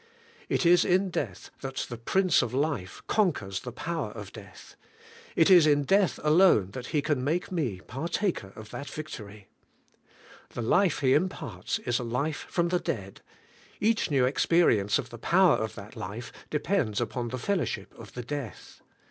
It is in death that the Prince of life conquers the power of death; it is in death alone that He can make me partaker of that victory. The life He im parts is a life from the dead ; each new experience of the power of that life depends upon the fellowship of the death.